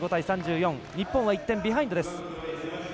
日本は１点ビハインド。